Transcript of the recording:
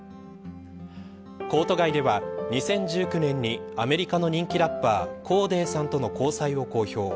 コート外では２０１９年にアメリカの人気ラッパーコーデーさんとの交際を公表。